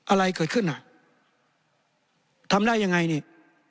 อะไรเกิดขึ้นน่ะทำได้ยังไงนี่